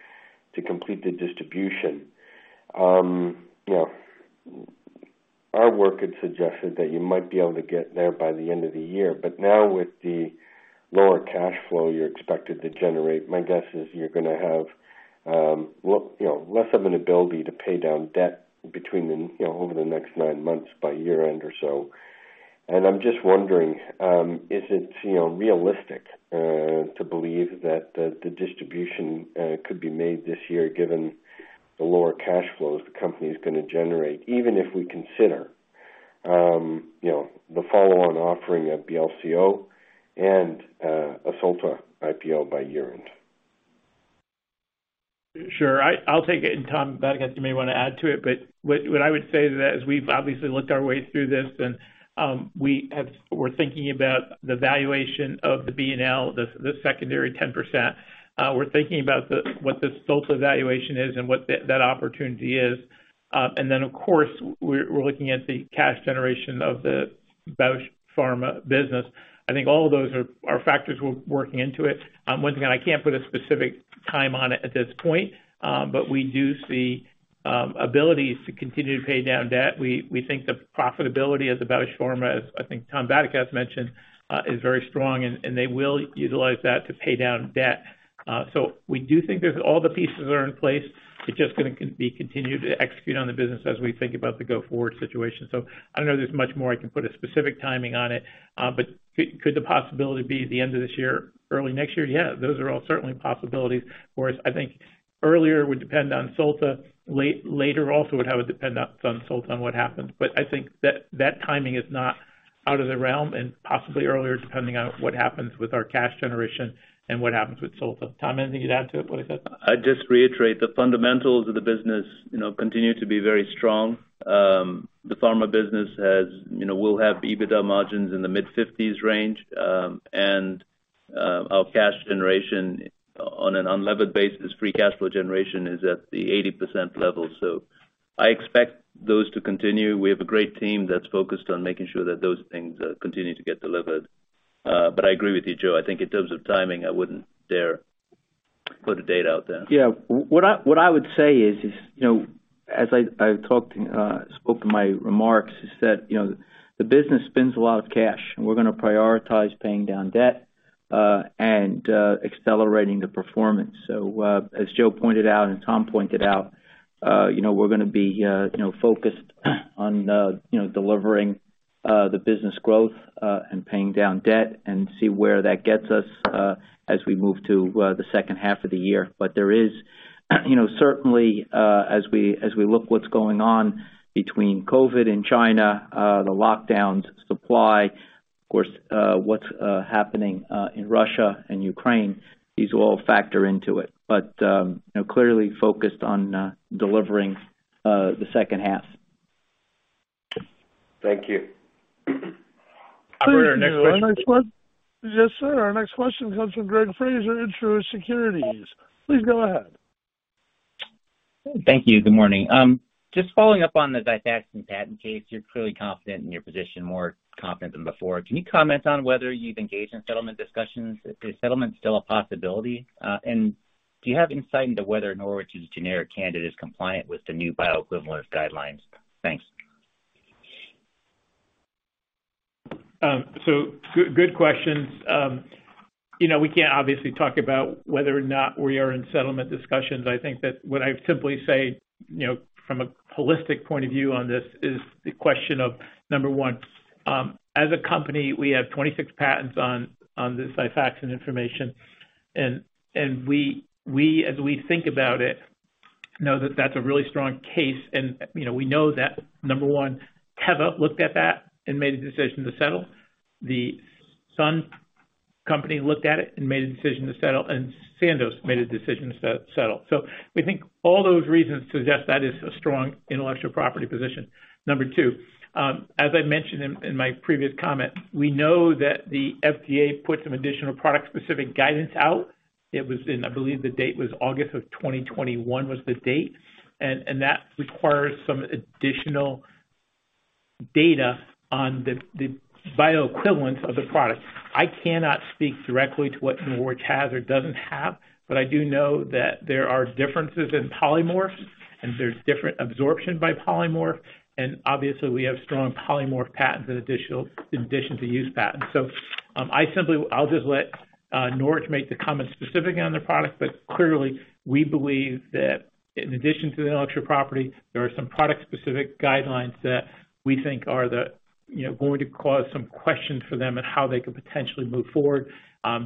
to complete the distribution, you know, our work had suggested that you might be able to get there by the end of the year. But now with the lower cash flow you're expected to generate, my guess is you're gonna have, you know, less of an ability to pay down debt between the, you know, over the next nine months by year end or so. I'm just wondering, is it, you know, realistic to believe that the distribution could be made this year, given the lower cash flows the company is gonna generate, even if we consider, you know, the follow-on offering at BLCO and a Solta IPO by year-end? Sure. I'll take it, and Tom Vadaketh, you may wanna add to it. What I would say to that is we've obviously worked our way through this and we're thinking about the valuation of the B&L, the secondary 10%. We're thinking about what the Solta valuation is and what that opportunity is. Of course we're looking at the cash generation of the Bausch Pharma business. I think all of those are factors we're working into it. Once again, I can't put a specific time on it at this point, but we do see abilities to continue to pay down debt. We think the profitability of the Bausch Pharma, as I think Tom Vadaketh mentioned, is very strong and they will utilize that to pay down debt. We do think there's all the pieces are in place. It's just gonna continue to execute on the business as we think about the go forward situation. I don't know there's much more I can put a specific timing on it. Could the possibility be the end of this year, early next year? Yeah, those are all certainly possibilities for us. I think earlier would depend on Solta. Later also would depend on Solta on what happens. I think that timing is not out of the realm and possibly earlier, depending on what happens with our cash generation and what happens with Solta. Tom, anything you'd add to it, what I said? I'd just reiterate the fundamentals of the business, you know, continue to be very strong. The pharma business has, you know, will have EBITDA margins in the mid-50s% range. Our cash generation on an unlevered basis, free cash flow generation is at the 80% level. I expect those to continue. We have a great team that's focused on making sure that those things continue to get delivered. I agree with you, Joe. I think in terms of timing, I wouldn't dare put a date out there. What I would say is, you know, as I spoke to my remarks is that, you know, the business spends a lot of cash, and we're gonna prioritize paying down debt and accelerating the performance. As Joe pointed out and Tom pointed out, you know, we're gonna be, you know, focused on, you know, delivering the business growth and paying down debt and see where that gets us, as we move to the second half of the year. There is, you know, certainly, as we look what's going on between COVID in China, the lockdowns, supply, of course, what's happening in Russia and Ukraine, these will all factor into it. You know, clearly focused on delivering the second half. Thank you. Operator, next question. Yes, sir. Our next question comes from Greg Fraser, Truist Securities. Please go ahead. Thank you. Good morning. Just following up on the XIFAXAN patent case, you're clearly confident in your position, more confident than before. Can you comment on whether you've engaged in settlement discussions? Is settlement still a possibility? And do you have insight into whether Norwich's generic candidate is compliant with the new bioequivalence guidelines? Thanks. Good questions. You know, we can't obviously talk about whether or not we are in settlement discussions. I think that what I'd simply say, you know, from a holistic point of view on this is the question of, number 1, as a company, we have 26 patents on this XIFAXAN formulation. And we, as we think about it, know that that's a really strong case. You know, we know that, number one, Teva looked at that and made a decision to settle. The Sun company looked at it and made a decision to settle, and Sandoz made a decision to settle. So we think all those reasons suggest that is a strong intellectual property position. Number 2, as I mentioned in my previous comment, we know that the FDA put some additional product-specific guidance out. I believe the date was August 2021, and that requires some additional data on the bioequivalence of the product. I cannot speak directly to what Norwich has or doesn't have, but I do know that there are differences in polymorphs, and there's different absorption by polymorph. Obviously we have strong polymorph patents in addition to use patents. I'll just let Norwich make the comment specific on their product. Clearly we believe that in addition to the intellectual property, there are some product specific guidelines that we think are going to cause some questions for them and how they could potentially move forward.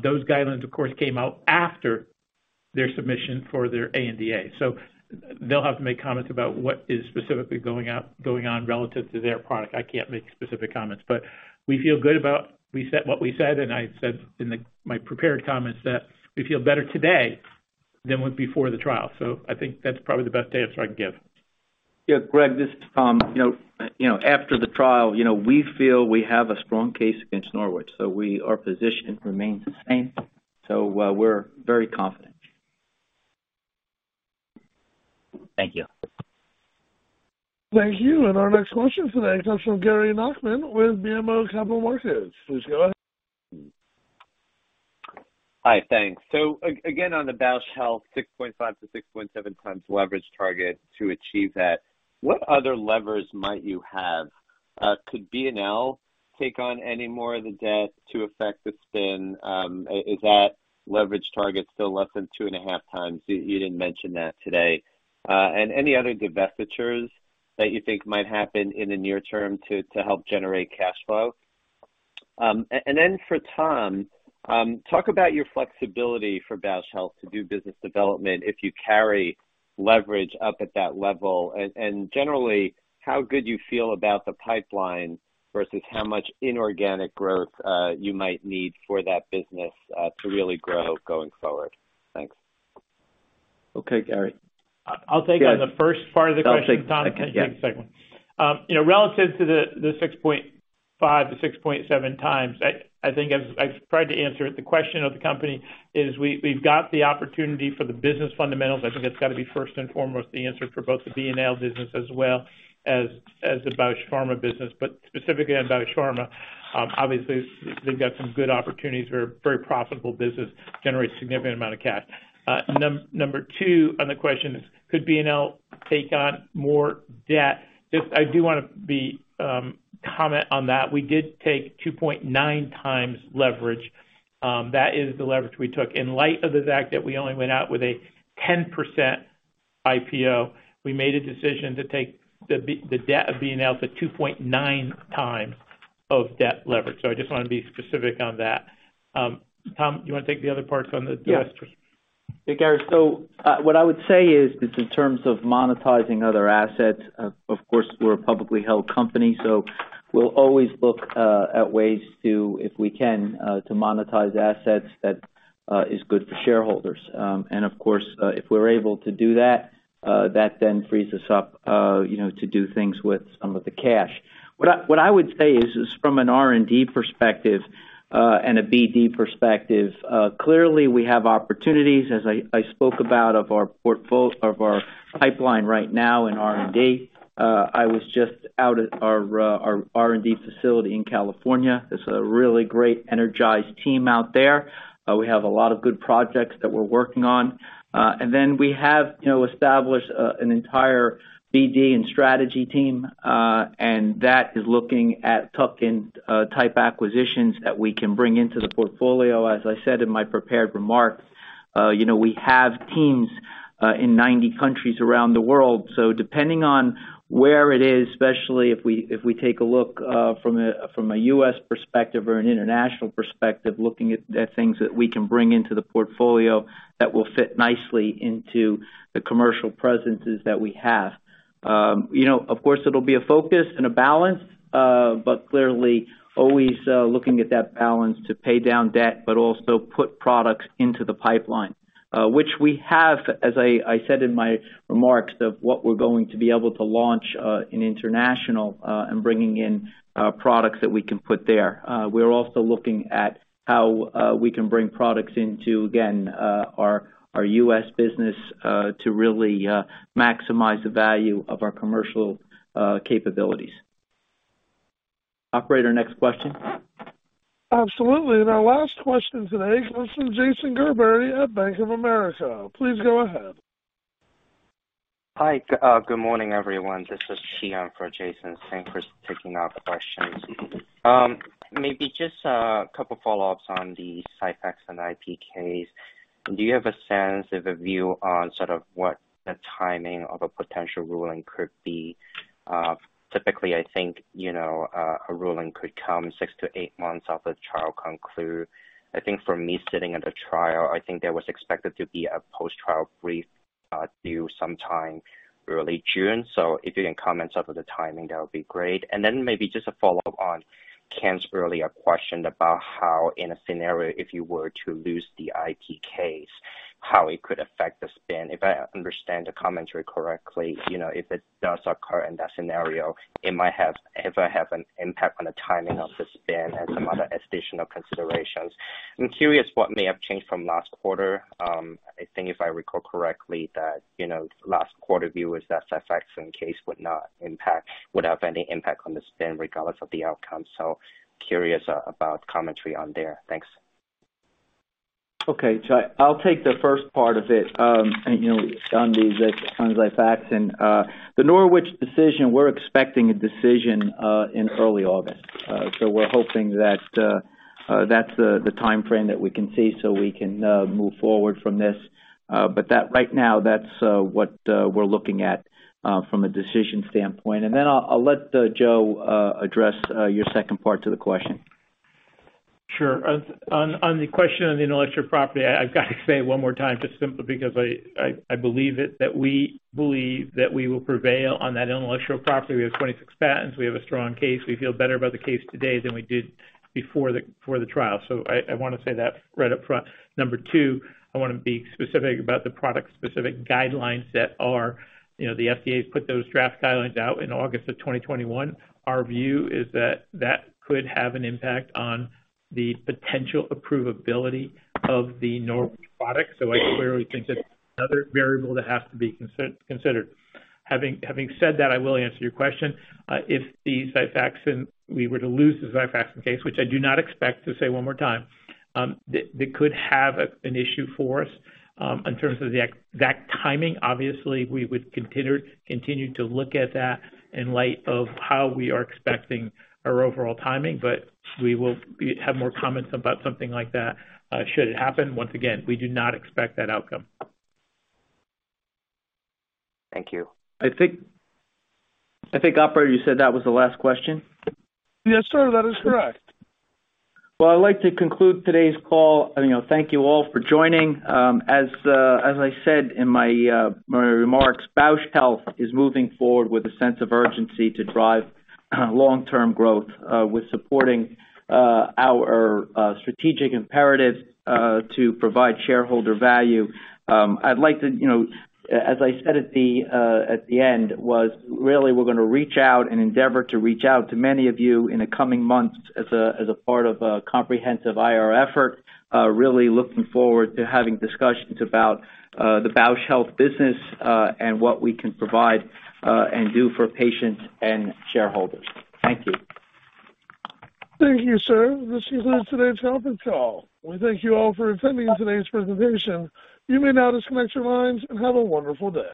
Those guidelines of course came out after their submission for their ANDA. They'll have to make comments about what is specifically going on relative to their product. I can't make specific comments, but we feel good about what we said, and I said in my prepared comments that we feel better today than we before the trial. I think that's probably the best answer I can give. Yeah, Greg, this is Thomas. You know, after the trial, you know, we feel we have a strong case against Norwich, our position remains the same. We're very confident. Thank you. Thank you. Our next question today comes from Gary Nachman with BMO Capital Markets. Please go ahead. Hi. Thanks. Again, on the Bausch Health 6.5-6.7x leverage target to achieve that, what other levers might you have? Could B&L take on any more of the debt to affect the spin? Is that leverage target still less than 2.5x? You didn't mention that today. Any other divestitures that you think might happen in the near term to help generate cash flow? Then for Thomas, talk about your flexibility for Bausch Health to do business development if you carry leverage up at that level. Generally, how good you feel about the pipeline versus how much inorganic growth you might need for that business to really grow going forward. Thanks. Okay, Gary. I'll take on the first part of the question. Thomas can take the second one. You know, relative to the 6.5x-6.7x, I think as I've tried to answer it, the question of the company is we've got the opportunity for the business fundamentals. I think it's gotta be first and foremost the answer for both the B&L business as well as the Bausch Pharma business. Specifically on Bausch Pharma, obviously they've got some good opportunities for a very profitable business, generates significant amount of cash. Number two on the question is, could B&L take on more debt? Just I do want to comment on that. We did take 2.9x leverage. That is the leverage we took. In light of the fact that we only went out with a 10% IPO, we made a decision to take the debt of B&L to 2.9x of debt leverage. I just wanna be specific on that. Thomas, do you wanna take the other parts on the divest- Yeah. Hey, Gary. What I would say is in terms of monetizing other assets, of course, we're a publicly held company, so we'll always look at ways to, if we can, to monetize assets that is good for shareholders. And of course, if we're able to do that then frees us up, you know, to do things with some of the cash. What I would say is from an R&D perspective and a BD perspective, clearly we have opportunities as I spoke about of our pipeline right now in R&D. I was just out at our R&D facility in California. There's a really great energized team out there. We have a lot of good projects that we're working on. We have, you know, established an entire BD and strategy team, and that is looking at tuck-in type acquisitions that we can bring into the portfolio. As I said in my prepared remarks, you know, we have teams in 90 countries around the world. Depending on where it is, especially if we take a look from a U.S. perspective or an international perspective, looking at things that we can bring into the portfolio that will fit nicely into the commercial presences that we have. You know, of course it'll be a focus and a balance, but clearly always looking at that balance to pay down debt, but also put products into the pipeline, which we have, as I said in my remarks of what we're going to be able to launch in international and bringing in products that we can put there. We're also looking at how we can bring products into, again, our US business to really maximize the value of our commercial capabilities. Operator, next question. Absolutely. Our last question today comes from Jason Gerberry at Bank of America. Please go ahead. Hi. Good morning, everyone. This is Chi-Minh for Jason. Thanks for taking our questions. Maybe just a couple follow-ups on the XIFAXAN IP case. Do you have a sense of a view on sort of what the timing of a potential ruling could be? Typically, I think, you know, a ruling could come 6-8 months after the trial conclude. I think for me, sitting at a trial, I think there was expected to be a post-trial brief due sometime early June. If you can comment sort of the timing, that would be great. Then maybe just a follow-up on Ken's earlier question about how in a scenario, if you were to lose the IP case, how it could affect the spin. If I understand the commentary correctly, you know, if it does occur in that scenario, it might have an impact on the timing of the spin and some other additional considerations. I'm curious what may have changed from last quarter. I think if I recall correctly that, you know, last quarter view is that XIFAXAN case would not have any impact on the spin regardless of the outcome. Curious about commentary on there. Thanks. Okay. I'll take the first part of it, and you know, on the XIFAXAN. The Norwich decision, we're expecting a decision in early August. We're hoping that that's the timeframe that we can see so we can move forward from this. Right now, that's what we're looking at from a decision standpoint. I'll let Joe address your second part of the question. Sure. On the question on the intellectual property, I've got to say one more time, just simply because I believe it, that we believe that we will prevail on that intellectual property. We have 26 patents. We have a strong case. We feel better about the case today than we did before the trial. I wanna say that right up front. Number two, I wanna be specific about the product specific guidelines that are, you know, the FDA has put those draft guidelines out in August of 2021. Our view is that that could have an impact on the potential approvability of the Norwich product. I clearly think that's another variable that has to be considered. Having said that, I will answer your question. If we were to lose the XIFAXAN case, which I do not expect to say one more time, that could have an issue for us. In terms of the exact timing, obviously, we would continue to look at that in light of how we are expecting our overall timing, but we will have more comments about something like that, should it happen. Once again, we do not expect that outcome. Thank you. I think, operator, you said that was the last question. Yes, sir. That is correct. Well, I'd like to conclude today's call, and, you know, thank you all for joining. As I said in my remarks, Bausch Health is moving forward with a sense of urgency to drive long-term growth, with supporting our strategic imperative to provide shareholder value. I'd like to, you know, as I said at the end, we're gonna reach out and endeavor to reach out to many of you in the coming months as a part of a comprehensive IR effort. Really looking forward to having discussions about the Bausch Health business, and what we can provide and do for patients and shareholders. Thank you. Thank you, sir. This concludes today's conference call. We thank you all for attending today's presentation. You may now disconnect your lines and have a wonderful day.